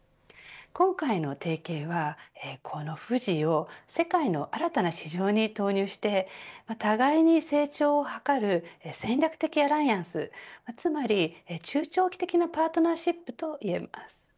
今回の提携はこの富士を世界の新たな市場に投入して互いに成長を図る戦略的アライアンスつまり、中長期的なパートナーシップと言えます。